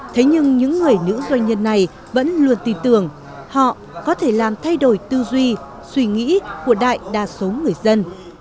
thế nhưng những người nữ doanh nhân này vẫn luôn tin tưởng họ có thể làm thay đổi tư duy suy nghĩ của đại đa số người dân